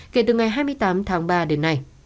kể từ ngày hai mươi tám tháng ba đến nay